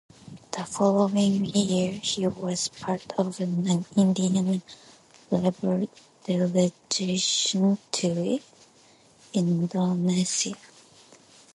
The following year he was part of an Indian Labour delegation to Indonesia.